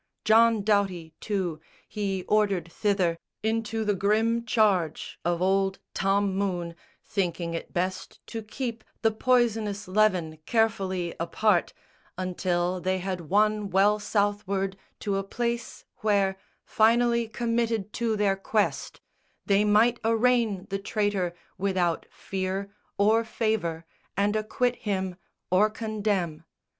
John Doughty, too, He ordered thither, into the grim charge Of old Tom Moone, thinking it best to keep The poisonous leaven carefully apart Until they had won well Southward, to a place Where, finally committed to their quest, They might arraign the traitor without fear Or favour, and acquit him or condemn.